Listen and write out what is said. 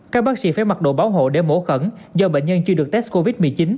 các bác sĩ phải mặc đồ bảo hộ để mổ khẩn do bệnh nhân chưa được test covid một mươi chín